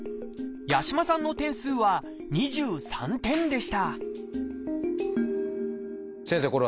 八嶋さんの点数は２３点でした先生